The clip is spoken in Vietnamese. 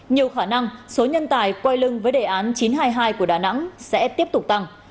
nhiều khả năng số nhân tài quay lưng với đề án chín trăm hai mươi hai của đà nẵng sẽ tiếp tục tăng